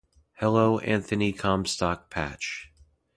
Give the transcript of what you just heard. Hello, Anthony Comstock Patch.